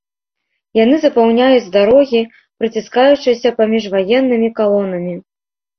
Яны запаўняюць дарогі, праціскаючыся паміж ваеннымі калонамі.